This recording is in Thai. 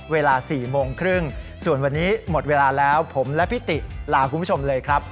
เวลา๔โมงครึ่งส่วนวันนี้หมดเวลาแล้วผมและพี่ติลาคุณผู้ชมเลยครับ